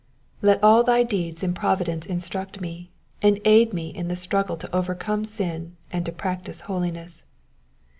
Let all thy deeds in providence instruct me, and aid me in the struggle to over come sin and to practise holiness.